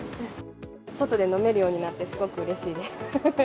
外で飲めるようになって、すごくうれしいです。